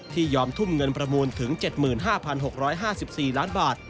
ยอมทุ่มเงินประมูลถึง๗๕๖๕๔ล้านบาท